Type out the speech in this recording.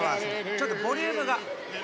ちょっとボリュームが。